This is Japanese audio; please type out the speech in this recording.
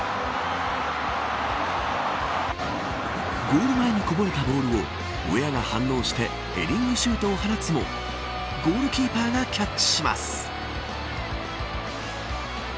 ゴール前にこぼれたボールをウェアが反応してヘディングシュートを放つもゴールキーパーがキャッチします。